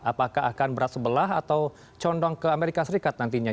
apakah akan berat sebelah atau condong ke amerika serikat nantinya